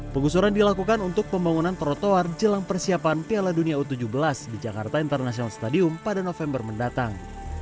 penggusuran dilakukan untuk pembangunan trotoar jelang persiapan piala dunia u tujuh belas di jakarta international stadium pada november mendatang